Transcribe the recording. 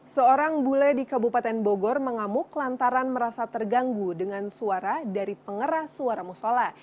seorang bule di kabupaten bogor mengamuk lantaran merasa terganggu dengan suara dari pengeras suara musola